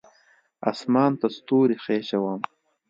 اسمان ته ستوري خیژوم